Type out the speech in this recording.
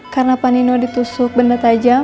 karena pak nino ditusuk benda tajam